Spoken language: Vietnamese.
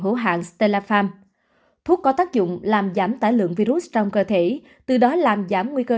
hữu hạng stelafarm thuốc có tác dụng làm giảm tải lượng virus trong cơ thể từ đó làm giảm nguy cơ